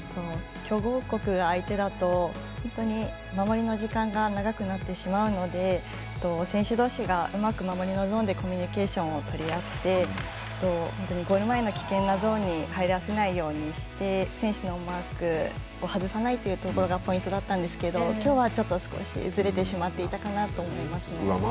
強豪国が相手だと本当に守りの時間が長くなってしまうので選手どうしがうまく守りのゾーンでコミュニケーションを取り合ってゴール前の危険なゾーンに入らせないようにして選手のマークを外さないというところがポイントだったんですけどきょうは、ちょっと少しずれてしまっていたかなと思いますね。